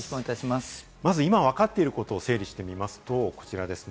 まず今わかっていることを整理してみますとこちらです。